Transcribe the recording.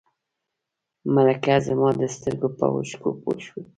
ملکه زما د سترګو په اوښکو پوه شوه.